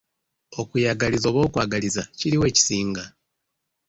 Okuyagaliza oba okwagaliza kiriwa ekisinga?